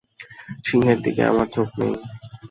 সিংহের দিকে আমার চোখ নেই।